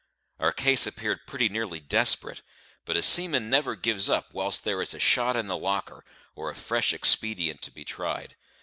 Our case appeared pretty nearly desperate; but a seaman never gives up "whilst there is a shot in the locker," or a fresh expedient to be tried.